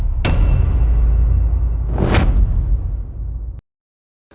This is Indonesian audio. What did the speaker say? dari nama allah